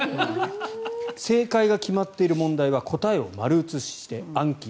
正解が決まっている問題は答えを丸写しして暗記。